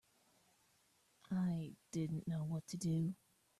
I didn't know what to do.